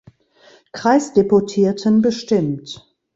Kreisdeputierten bestimmt.